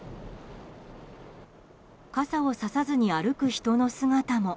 傘を差さずに歩く人の姿も。